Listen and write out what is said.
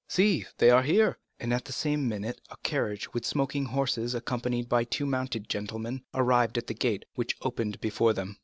"See, they are here." And at the same minute a carriage with smoking horses, accompanied by two mounted gentlemen, arrived at the gate, which opened before them.